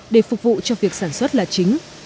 để phục vụ cho việc sản xuất là chính